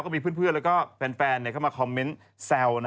ก็มีเพื่อนแล้วก็แฟนเข้ามาคอมเมนต์แซว